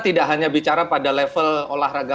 tidak hanya bicara pada level olahraga